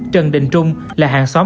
trần đình trung là hàng xóm